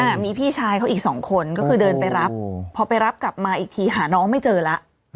มีพี่ชายเขาอีกสองคนก็คือเดินไปรับพอไปรับกลับมาอีกทีหาน้องไม่เจอแล้ว